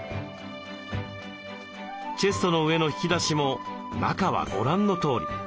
チェストの上の引き出しも中はご覧のとおり。